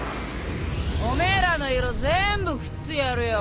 おめえらの色全部食ってやるよ。